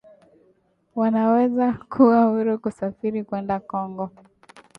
wanaweza kuwa huru kusafiri kwenda Kongo